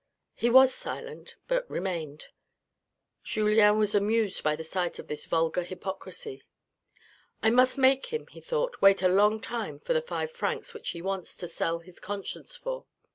He was silent, but remained. Julien was amused by the sight of this vulgar hypocrisy. I must make him, he thought, wait a long time for the five francs which he wants to sell his conscience for.